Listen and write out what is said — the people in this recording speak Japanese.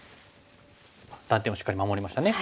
断点をしっかり守りましたね。